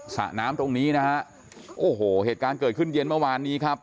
สระน้ำตรงนี้นะฮะโอ้โหเหตุการณ์เกิดขึ้นเย็นเมื่อวานนี้ครับ